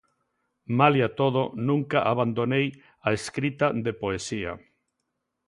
Malia todo, nunca abandonei a escrita de poesía.